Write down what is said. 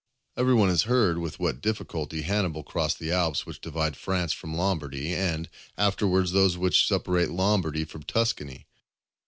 Every one has heard with what difficulty Hannibal crossed the Alps which divide France from Lombardy, and afterwards those which separate Lombardy from Tuscany.